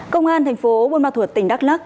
công an thành phố buôn ma thuột tỉnh đắk lắc